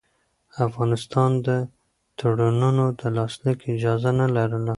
افغانستان د تړونونو د لاسلیک اجازه نه لرله.